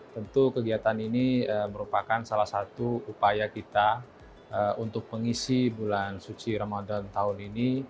tentu kegiatan ini merupakan salah satu upaya kita untuk mengisi bulan suci ramadan tahun ini